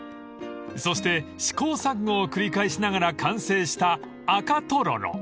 ［そして試行錯誤を繰り返しながら完成した］